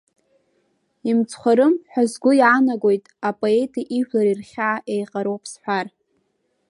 Имцхәхарым ҳәа сгәы иаанагоит апоети ижәлари рхьаа еиҟароуп сҳәар.